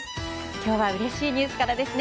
今日はうれしいニュースからですね。